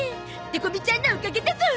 デコ美ちゃんのおかげだゾ！